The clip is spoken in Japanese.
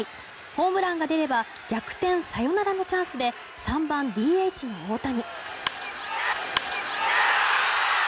ホームランが出れば逆転サヨナラのチャンスで３番ＤＨの大谷。